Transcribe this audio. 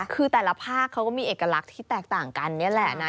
คือแต่ละภาคเขาก็มีเอกลักษณ์ที่แตกต่างกันนี่แหละนะ